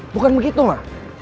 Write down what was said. bukan begitu ma